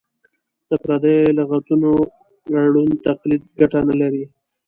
د پردیو لغتونو ړوند تقلید ګټه نه لري.